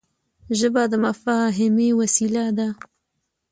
ژبه د مفاهمې وسیله ده